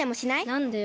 なんでよ？